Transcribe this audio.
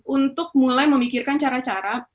untuk mulai memikirkan cara cara